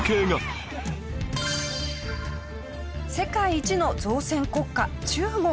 世界一の造船国家中国。